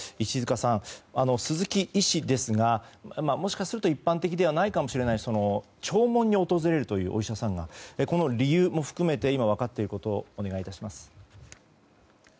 石塚さん、鈴木医師ですがもしかすると一般的ではないかもしれないお医者さんが弔問に訪れるというこの理由も含めて今分かっていることをお願いします。